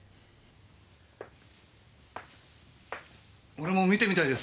俺も観てみたいです